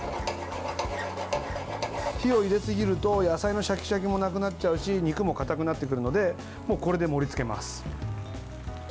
火を入れすぎると野菜のシャキシャキもなくなっちゃうし肉もかたくなってくるのでもうこれで盛りつけます。